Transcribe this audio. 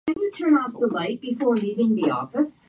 長野県諏訪市